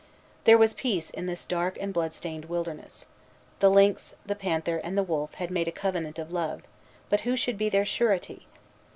There was peace in this dark and blood stained wilderness. The lynx, the panther, and the wolf had made a covenant of love; but who should be their surety?